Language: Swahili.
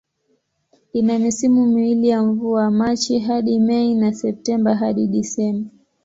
Ina misimu miwili ya mvua, Machi hadi Mei na Septemba hadi Disemba.